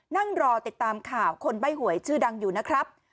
นั่งรอติดตามข่าวคนใบ้หวยชื่อดังอยู่นะครับ